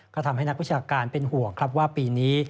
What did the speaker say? ก็ทำให้นักวิชาการเป็นห่วงครับว่าปีนี้